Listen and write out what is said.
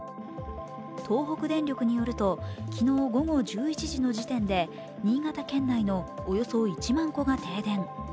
東北電力によると、昨日午後１１時の時点で新潟県内のおよそ１万戸が停電。